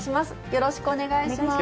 よろしくお願いします。